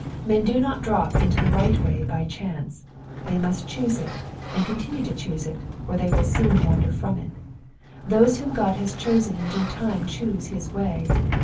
Men do not drop into the right way by chance ; they must choose it, and continue to choose it, or they will soon wander from it. Those whom God has chosen in due time choose his way.